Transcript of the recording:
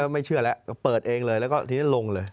ไม่เชื่อและเปิดเองนึงและก็ถึงลงเลย